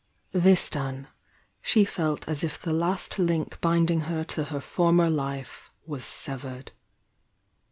This done, she felt as if the last link binding her to her former life was severed.